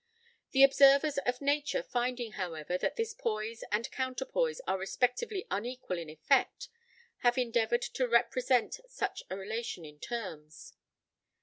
The observers of nature finding, however, that this poise and counterpoise are respectively unequal in effect, have endeavoured to represent such a relation in terms.